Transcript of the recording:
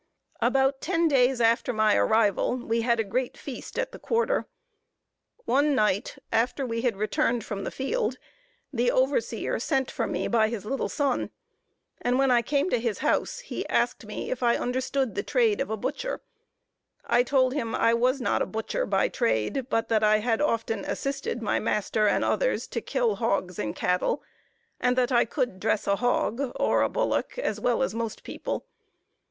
About ten days after my arrival, we had a great feast at the quarter. One night, after we had returned from the field, the overseer sent for me by his little son, and when I came to his house, he asked me if I understood the trade of a butcher I told him I was not a butcher by trade, but that I had often assisted my master and others to kill hogs and cattle, and that I could dress a hog, or a bullock, as well as most people.